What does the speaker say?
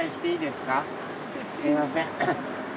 すみません。